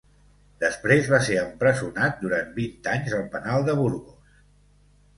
Després, va ser empresonat durant vint anys al penal de Burgos.